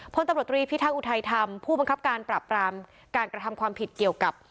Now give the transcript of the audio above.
พลตำรวจตรีพิทักษ์อุทัยธรรมผู้บังคับการปราบรามการกระทำความผิดเกี่ยวกับ